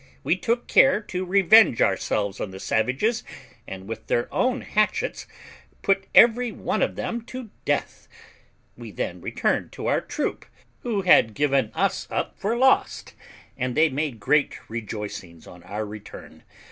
We took care to revenge ourselves on the savages, and with their own hatchets put every one of them to death. We then returned to our troop, who had given us up for lost, and they made great rejoicings on our return.